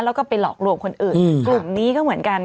แล้วก็ไปหลอกลวงคนอื่นกลุ่มนี้ก็เหมือนกัน